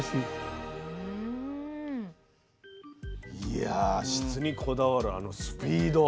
いや質にこだわるあのスピード。